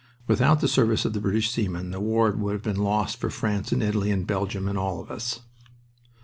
Without the service of the British seamen the war would have been lost for France and Italy and Belgium, and all of us.